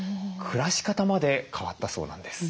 暮らし方まで変わったそうなんです。